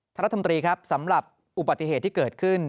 รัฐมนตรีครับสำหรับอุบัติเหตุที่เกิดขึ้น